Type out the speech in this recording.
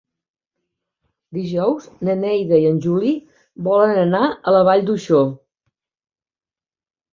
Dijous na Neida i en Juli volen anar a la Vall d'Uixó.